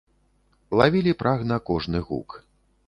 Лавілі прагна кожны гук.